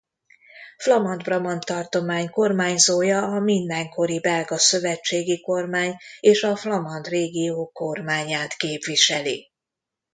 Flamand-Brabant tartomány kormányzója a mindenkori belga szövetségi kormány és a flamand régió kormányát képviseli.